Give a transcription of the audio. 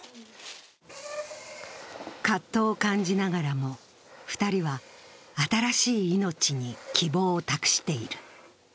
葛藤を感じながらも、２人は新しい命に希望を託している。